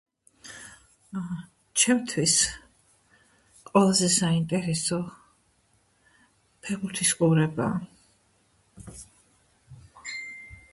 ჩემთვის ყველაზე საინტერესო ფეხბურთის ყურებაა.